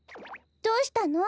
どうしたの？